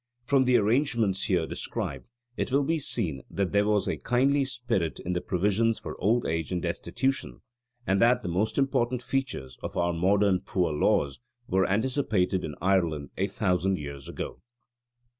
From the arrangements here described it will be seen that there was a kindly spirit in the provisions for old age and destitution, and that the most important features of our modern poor laws were anticipated in Ireland a thousand years ago.